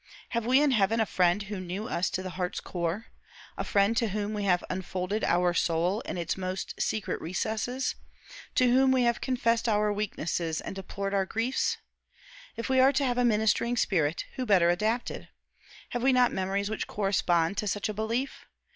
Have we in heaven a friend who knew us to the heart's core? a friend to whom we have unfolded our soul in its most secret recesses? to whom we have confessed our weaknesses and deplored our griefs? If we are to have a ministering spirit, who better adapted? Have we not memories which correspond to such a belief?